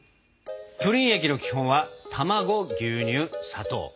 プリン液の基本は卵牛乳砂糖。